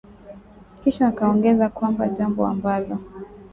Kisha akaongeza kwamba jambo ambalo